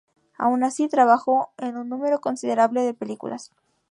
Aun así, trabajó en un número considerable de películas.